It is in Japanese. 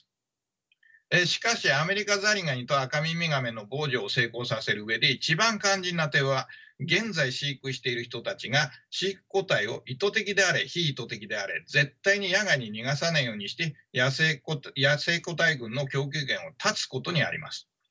しかしアメリカザリガニとアカミミガメの防除を成功させる上で一番肝心な点は現在飼育している人たちが飼育個体を意図的であれ非意図的であれ絶対に野外に逃がさないようにして野生個体群の供給源を断つことにあります。